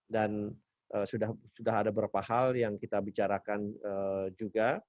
dan sudah ada beberapa hal yang kita bicarakan juga